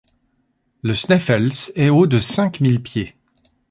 Le Sneffels est haut de cinq mille pieds.